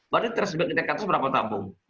berarti tersebut kita katakan berapa tabung